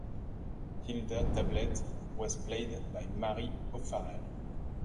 Hilda Tablet was played by Mary O'Farrell.